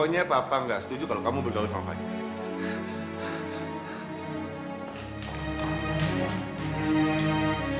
pokoknya bapak gak setuju kalo kamu bergaul sama fajar